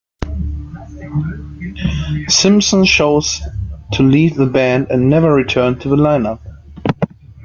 Simpson chose to leave the band and never returned to the line-up.